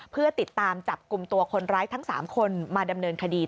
เพื่อติดตามจับกลุ่มตัวคนร้ายทั้ง๓คนมาดำเนินคดี